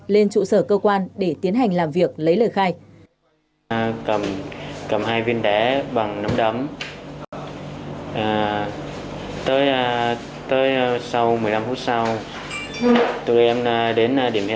lên trụ sở cơ quan để tiến hành làm việc lấy lời khai